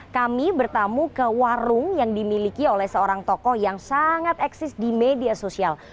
kami bertamu ke warung yang dimiliki oleh seorang tokoh yang sangat eksis di media sosial